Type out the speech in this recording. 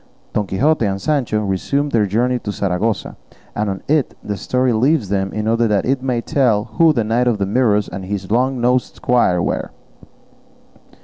Don Quixote and Sancho resumed their journey to Saragossa, and on it the history leaves them in order that it may tell who the Knight of the Mirrors and his long nosed squire were.